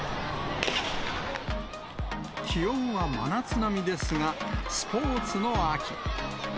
気温は真夏並みですが、スポーツの秋。